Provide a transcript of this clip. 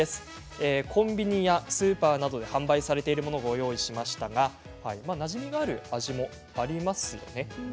コンビニやスーパーなどで販売されているものをご用意しましたがなじみがある味もありますね。